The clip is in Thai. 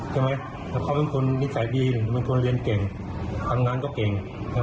ใช่ไหมแล้วเขาเป็นคนนิสัยดีเป็นคนเรียนเก่งทำงานก็เก่ง